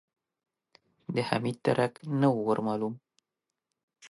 د حميد درک نه و ور مالوم.